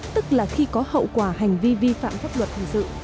tức là khi có hậu quả hành vi vi phạm pháp luật hình sự